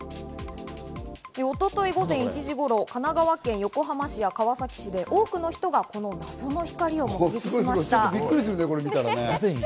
一昨日、午前１時頃、神奈川県横浜市や川崎市で多くの人がこの謎の光を目撃しました。